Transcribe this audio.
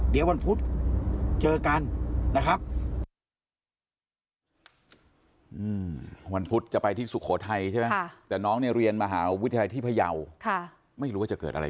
เดี๋ยววันพุธเจอกันนะครับ